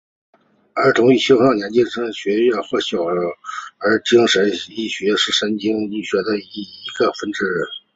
儿童与青少年精神医学或小儿精神医学是精神医学的一个分支。